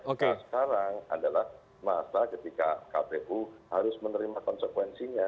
nah sekarang adalah masa ketika kpu harus menerima konsekuensinya